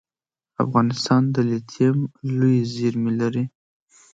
افغانستان د لیتیم لویې زیرمې لري